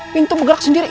pintu bergerak sendiri